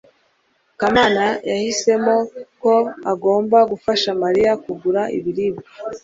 kamana yahisemo ko agomba gufasha mariya kugura ibiribwa